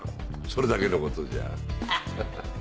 それだけのことじゃハハハ。